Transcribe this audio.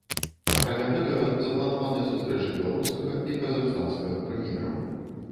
Акрамя гэтага, запланаваная сустрэча беларускага і казахстанскага прэм'ераў.